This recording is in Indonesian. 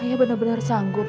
ayah benar benar sanggup